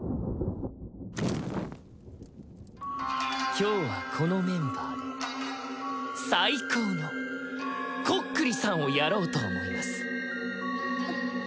今日はこのメンバーで最高のこっくりさんをやろうと思います